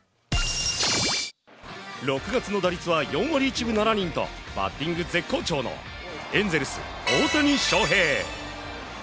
６月の打率は４割１分７厘とバッティング絶好調のエンゼルス、大谷翔平。